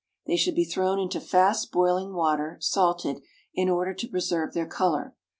They should be thrown into fast boiling water (salted) in order to preserve their colour.